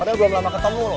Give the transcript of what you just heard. padahal belum lama ketemu loh